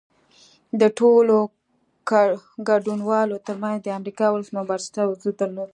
د ټولو ګډونوالو ترمنځ د امریکا ولسمشر برجسته حضور درلود